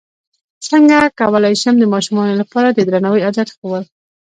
څنګه کولی شم د ماشومانو لپاره د درناوي عادت ښوول